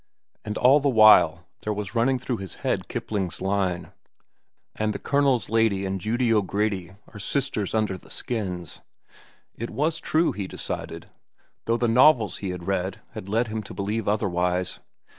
And all the while there was running through his head Kipling's line: "And the Colonel's lady and Judy O'Grady are sisters under their skins." It was true, he decided; though the novels he had read had led him to believe otherwise.